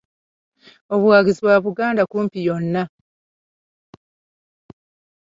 Obuwagizi bwa Buganda kumpi yonna.